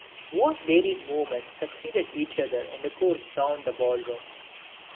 What varied movements succeed each other in the course round the ball room!